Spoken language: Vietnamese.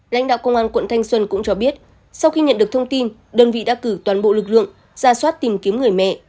lãnh đạo công an quận thanh xuân cũng cho biết sau khi nhận được thông tin đơn vị đã cử toàn bộ lực lượng ra soát tìm kiếm người mẹ